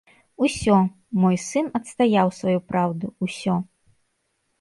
Усё, мой сын адстаяў сваю праўду, усё!